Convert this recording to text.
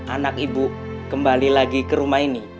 anak ibu kembali lagi ke rumah ini